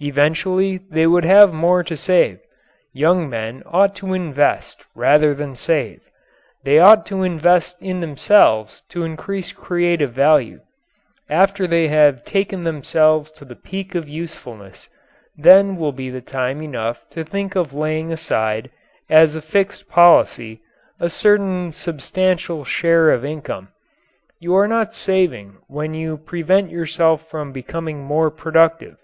Eventually they would have more to save. Young men ought to invest rather than save. They ought to invest in themselves to increase creative value; after they have taken themselves to the peak of usefulness, then will be time enough to think of laying aside, as a fixed policy, a certain substantial share of income. You are not "saving" when you prevent yourself from becoming more productive.